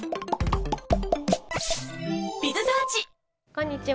こんにちは。